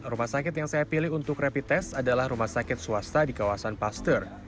rumah sakit yang saya pilih untuk rapid test adalah rumah sakit swasta di kawasan paster